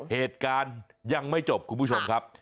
เหตุการณ์ยังไม่จบคุณผู้ชมครับ